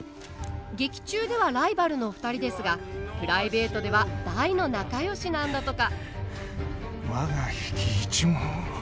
劇中ではライバルのお二人ですがプライベートでは大の仲よしなんだとか我が比企一門を。